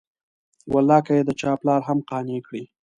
والله که یې د چا پلار هم قانع کړي.